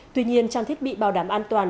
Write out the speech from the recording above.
tuy nhiên trang thiết bị bảo đảm an toàn